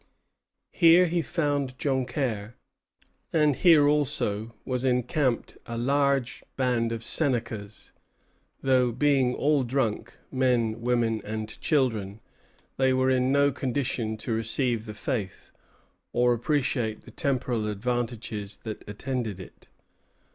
Here he found Joncaire, and here also was encamped a large band of Senecas; though, being all drunk, men, women, and children, they were in no condition to receive the Faith, or appreciate the temporal advantages that attended it.